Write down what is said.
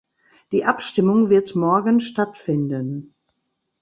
Die Abstimmung wird morgen stattfinden.